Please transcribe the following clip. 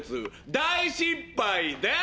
大失敗です！